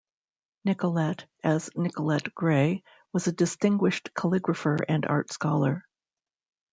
Nicolete, as Nicolete Gray, was a distinguished calligrapher and art scholar.